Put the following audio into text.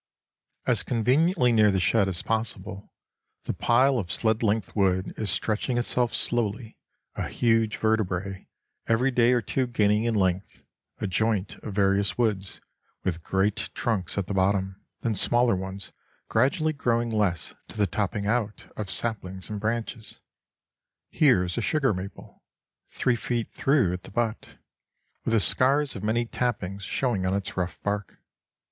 As conveniently near the shed as possible, the pile of sled length wood is stretching itself slowly, a huge vertebrate, every day or two gaining in length; a joint of various woods, with great trunks at the bottom, then smaller ones, gradually growing less to the topping out of saplings and branches. Here is a sugar maple, three feet through at the butt, with the scars of many tappings showing on its rough bark.